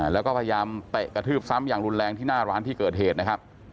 แล้วก็พยายามเตะกระทืบซ้ำอย่างรุนแรงที่หน้าร้านที่เกิดเหตุนะครับ